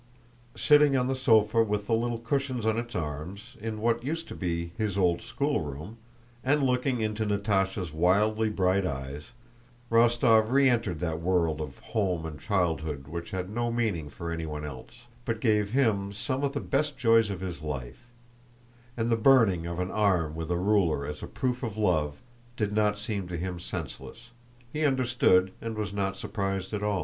Sitting on the sofa with the little cushions on its arms, in what used to be his old schoolroom, and looking into Natásha's wildly bright eyes, Rostóv re entered that world of home and childhood which had no meaning for anyone else, but gave him some of the best joys of his life; and the burning of an arm with a ruler as a proof of love did not seem to him senseless, he understood and was not surprised at it.